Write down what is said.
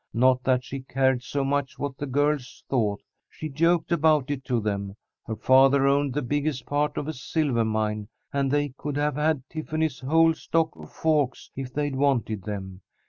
Not that she cared so much what the girls thought. She joked about it to them. Her father owned the biggest part of a silver mine, and they could have had Tiffany's whole stock of forks if they'd wanted them.